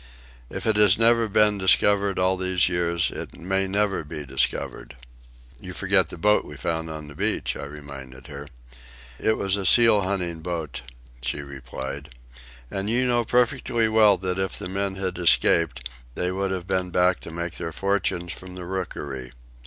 If it has never been discovered all these years, it may never be discovered." "You forget the boat we found on the beach," I reminded her. "It was a seal hunting boat," she replied, "and you know perfectly well that if the men had escaped they would have been back to make their fortunes from the rookery.